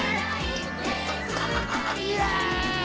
イエーイ！